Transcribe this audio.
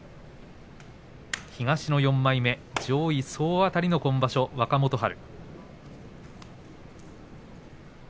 東の４枚目、上位総当たりの今場所、若元春。